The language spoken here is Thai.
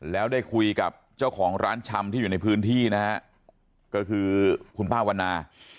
แล้วได้คุยกับเจ้าของร้านชำที่อยู่ในพื้นที่นะฮะก็คือคุณป้าวันนา